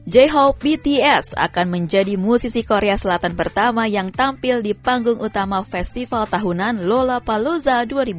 j hawk bts akan menjadi musisi korea selatan pertama yang tampil di panggung utama festival tahunan lola paloza dua ribu dua puluh